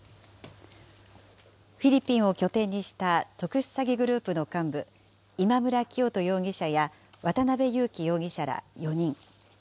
フィリピンを拠点にした特殊詐欺グループの幹部、今村磨人容疑者や渡邉優樹容疑者ら４人。